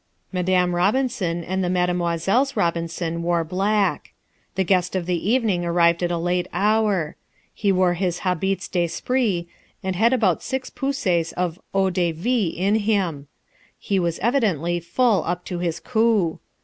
Madame Robinson and the Mademoiselles Robinson wore black. The guest of the evening arrived at a late hour. He wore his habits de spri, and had about six pouces of eau de vie in him. He was evidently full up to his cou.